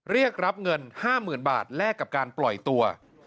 เรียกรับเงิน๕๐๐๐บาทแลกกับการปล่อยตัว